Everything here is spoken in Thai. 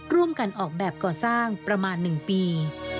ร่วมกันออกแบบก่อสร้างประมาณ๑ปี